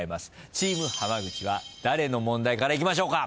チーム浜口は誰の問題からいきましょうか？